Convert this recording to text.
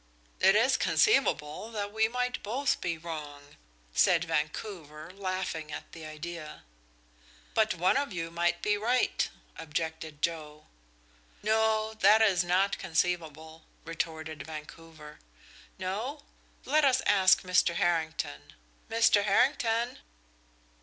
"It is conceivable that we might both be wrong," said Vancouver, laughing at the idea. "But one of you might be right," objected Joe. "No that is not conceivable," retorted Vancouver. "No? Let us ask Mr. Harrington. Mr. Harrington!"